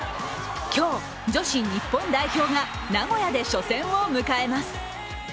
今日、女子日本代表が名古屋で初戦を迎えます。